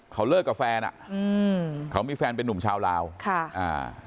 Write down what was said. เขาเลิกกับแฟนอ่ะอืมเขามีแฟนเป็นนุ่มชาวลาวค่ะอ่า